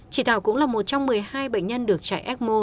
chị thảo cũng là một trong một mươi hai bệnh nhân được chạy ecmo